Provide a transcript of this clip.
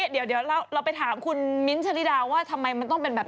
เดี๋ยวช่วยขันไปดูข้างหลังช่างแต่งหน้าข้างหลาย